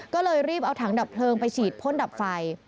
ก็เลยรีบเอาถังดับเพลิงไปฉีดพ่นดับไฟ